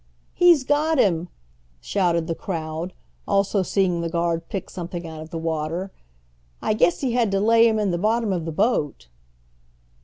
"He's got him," shouted the crowd, also seeing the guard pick something out of the water. "I guess he had to lay him in the bottom of the boat."